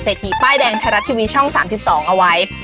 เศรษฐีป้ายแดงทรัฐทีวีช่อง๓๒เอาไว้